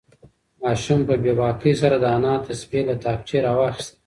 ماشوم په بې باکۍ سره د انا تسبیح له تاقچې راوخیستې.